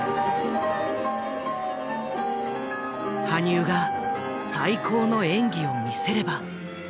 羽生が最高の演技を見せれば。